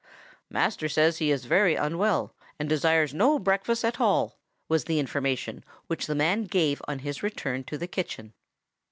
"Master says he is very unwell, and desires no breakfast at all," was the information which the man gave on his return to the kitchen.